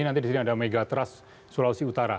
nanti di sini ada megatrust sulawesi utara